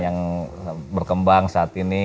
yang berkembang saat ini